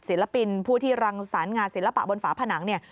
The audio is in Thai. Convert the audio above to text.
ศิลปินผู้ที่รังสรรค์งานศิลปะบนฝาผนังเนี่ย